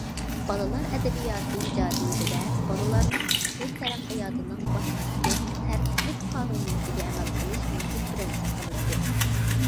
بالىلار ئەدەبىياتى ئىجادىيىتىدە بالىلارنىڭ پىسخىك تەرەققىياتىنىڭ باسقۇچلۇق، تەرتىپلىك قانۇنىيىتىگە ئەمەل قىلىش مۇھىم پىرىنسىپ قىلىنىدۇ.